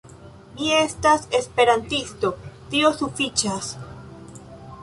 Mi estas Esperantisto, tio sufiĉas.